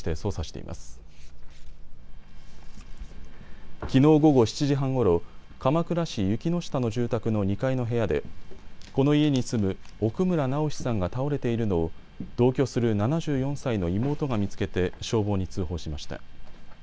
きのう午後７時半ごろ、鎌倉市雪ノ下の住宅の２階の部屋でこの家に住む奥村直司さんが倒れているのを同居する７４歳の妹が見つけて消防に通報しました。